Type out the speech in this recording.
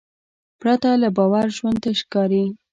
پرته له باور ژوند تش ښکاري.